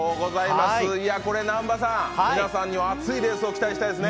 南波さん、皆さんに熱いレースを期待したいですね。